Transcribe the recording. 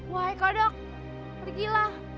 wahai kodok pergilah